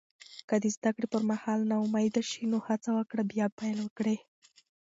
که د زده کړې پر مهال ناامید شې، نو هڅه وکړه بیا پیل کړې.